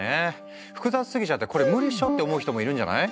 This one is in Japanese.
複雑すぎちゃって「これ無理っしょ」って思う人もいるんじゃない？